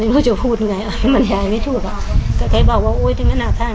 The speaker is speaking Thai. ไม่รู้จะพูดไงมันย้ายไม่ถูกแต่ใครบอกว่าโอ้ยถึงแม่นาท่า